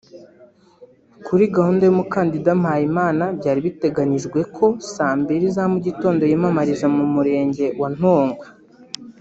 Kuri gahunda y’ umukandida Mpayimana byari biteganyijwe ko saa mbili za mugitongo yiyamamariza mu murenge wa Ntongwe